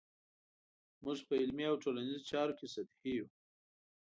موږ په علمي او ټولنیزو چارو کې سطحي یو.